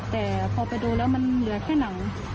แต่พอไปดูแล้วมันเหลือแค่หนัง